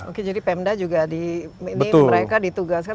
oke jadi pemda juga di ini mereka ditugaskan